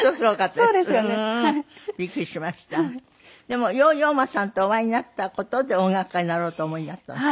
でもヨーヨー・マさんとお会いになった事で音楽家になろうとお思いになったの？